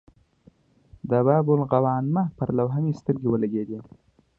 د باب الغوانمه پر لوحه مې سترګې ولګېدې.